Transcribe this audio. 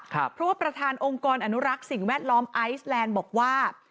เพราะว่าประธานองค์กรอนุรักษ์สิ่งแวดล้อมไอซแลนด์บอกว่า